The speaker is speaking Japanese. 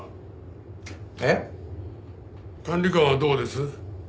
えっ？管理官はどうです？